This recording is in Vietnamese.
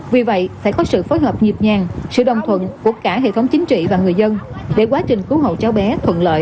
vì vậy phải có sự phối hợp nhịp nhàng sự đồng thuận của cả hệ thống chính trị và người dân để quá trình cứu hộ cháu bé thuận lợi